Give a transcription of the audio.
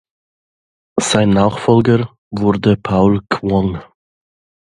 Sein Nachfolger wurde Paul Kwong.